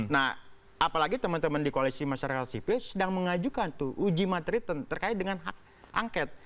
nah apalagi teman teman di koalisi masyarakat sipil sedang mengajukan tuh uji materi terkait dengan hak angket